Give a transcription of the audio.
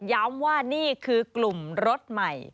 ย้ำว่านี่คือกลุ่มรถใหม่